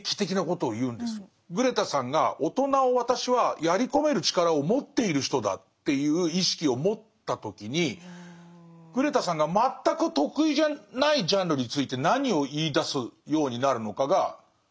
グレタさんが大人を私はやり込める力を持っている人だっていう意識を持った時にグレタさんが全く得意じゃないジャンルについて何を言いだすようになるのかが。